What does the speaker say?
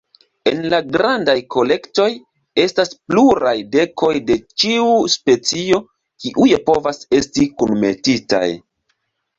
En la grandaj kolektoj, estas pluraj dekoj de ĉiu specio kiuj povas esti kunmetitaj.